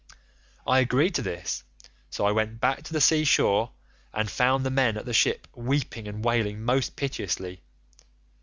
"I agreed to this, so I went back to the sea shore, and found the men at the ship weeping and wailing most piteously.